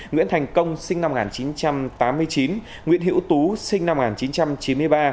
nguyễn thành công sinh năm một nghìn chín trăm tám mươi chín nguyễn hữu tú sinh năm một nghìn chín trăm chín mươi ba